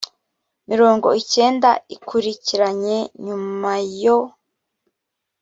mirongo icyenda ikurikiranye nyuma yo